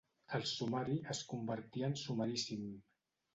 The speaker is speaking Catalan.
El sumari es convertia en sumaríssim.